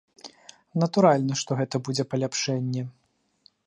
Натуральна, што гэта будзе паляпшэнне.